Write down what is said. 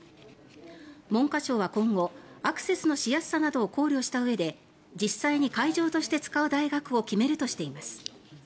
文科省は今後、アクセスのしやすさなどを考慮したうえで実際に会場として使う大学を決めるとしています。